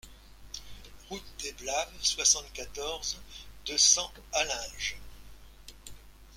Route des Blaves, soixante-quatorze, deux cents Allinges